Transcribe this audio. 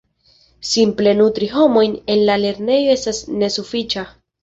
Simple nutri homojn en la lernejo estas nesufiĉa.